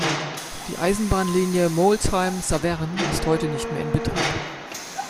Die Eisenbahnlinie Molsheim-Saverne ist heute nicht mehr in Betrieb.